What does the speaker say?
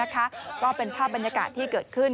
ก็เป็นภาพบรรยากาศที่เกิดขึ้น